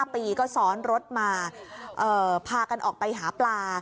๕ปีก็ซ้อนรถมาพากันออกไปหาปลา